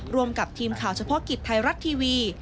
กับทีมข่าวเฉพาะกิจไทยรัฐทีวี